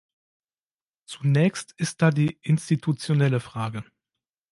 Zunächst ist da die institutionelle Frage.